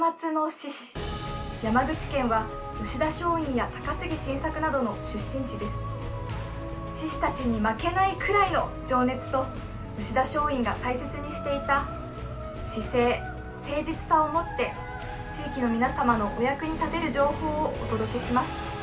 志士たちに負けないくらいの情熱と吉田松陰が大切にしていた至誠、誠実さをもって地域の皆様のお役に立てる情報をお届けします。